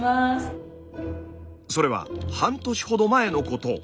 それは半年ほど前のこと。